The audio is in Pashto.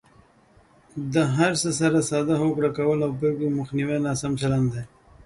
د هر څه سره ساده هوکړه کول او پرېکړو مخنیوی ناسم چلند دی.